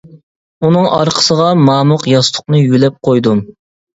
ئۇنىڭ ئارقىسىغا مامۇق ياستۇقنى يۆلەپ قويدۇم.